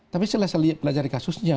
tapi saya pelajari kasusnya